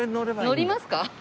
乗りますか？